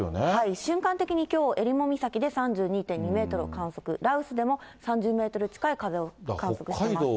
瞬間的にきょう、えりも岬で３２．２メートルを観測、羅臼でも３０メートル近い風を観測しています。